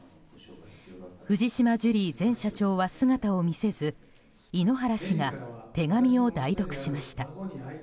藤島ジュリー前社長は姿を見せず井ノ原氏が手紙を代読しました。